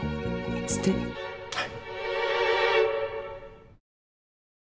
はい。